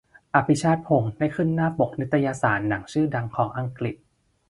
"อภิชาติพงศ์" ได้ขึ้นหน้าปกนิตยสารหนังชื่อดังของอังกฤษ